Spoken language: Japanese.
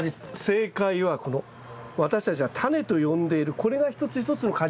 正解はこの私たちがタネと呼んでいるこれが一つ一つの果実なんです。